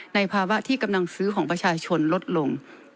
ในภาวะที่กำลังซื้อของประชาชนลดลง